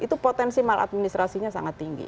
itu potensi maladministrasinya sangat tinggi